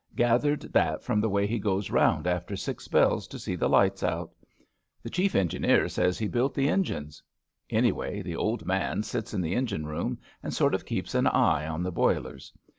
Gathered that from the way he goes round after six bells to see the lights out. The chief engineer says he built the engines. Any way, the old man sits in the engine room and sort of keeps an eye on the boilers.